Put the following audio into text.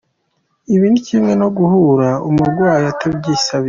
Ibi ni kimwe no guhuhura umurwayi atabyisabiye.